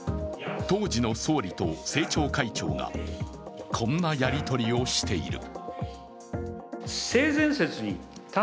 当時の総理と政調会長が、こんなやりとりをしている。